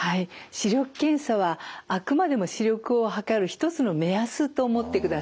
視力検査はあくまでも視力を測る一つの目安と思ってください。